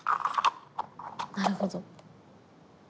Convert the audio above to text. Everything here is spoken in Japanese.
なるほど。